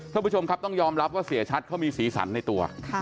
ท่านผู้ชมครับต้องยอมรับว่าเสียชัดเขามีสีสันในตัว